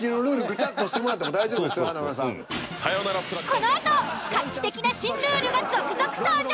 このあと画期的な新ルールが続々登場！